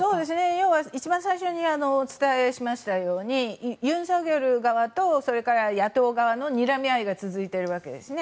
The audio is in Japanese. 要は一番最初にお伝えしましたようにユン・ソクヨル側と野党側のにらみ合いが続いているわけですね。